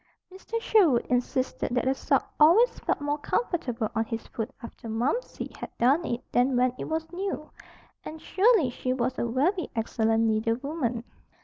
Mr. Sherwood insisted that a sock always felt more comfortable on his foot after "Momsey" had darned it than when it was new. And surely she was a very excellent needlewoman.